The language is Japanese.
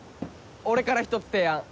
俺から一つ提案。